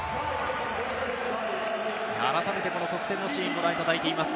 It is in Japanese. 改めて、得点のシーンをご覧いただいています。